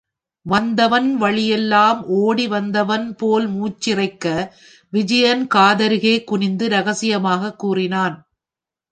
வந்தவன், வழியெல்லாம் ஒடி வந்த வன் போல் மூச்சிறைக்க, விஜயன் காதருகே குனிந்து ரகசியமாகக் கூறினான்.